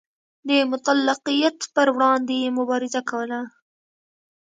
د مطلقیت پر وړاندې یې مبارزه کوله.